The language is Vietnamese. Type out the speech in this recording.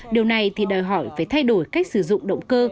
điều này thì đòi hỏi phải thay đổi cách sử dụng động cơ